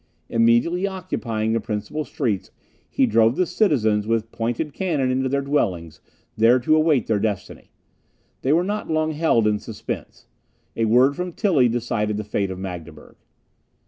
Immediately occupying the principal streets, he drove the citizens with pointed cannon into their dwellings, there to await their destiny. They were not long held in suspense; a word from Tilly decided the fate of Magdeburg.